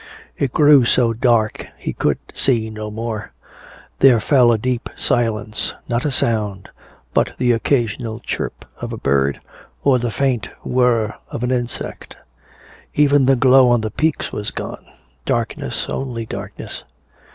It grew so dark he could see no more. There fell a deep silence, not a sound but the occasional chirp of a bird or the faint whirr of an insect. Even the glow on the peaks was gone. Darkness, only darkness.